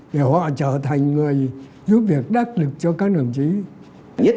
để họ trở thành người giúp việc đắc lực cho các nguồn chí